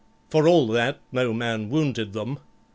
For all that no man wounded them.